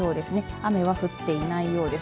雨は降っていないようです。